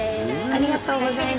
ありがとうございます。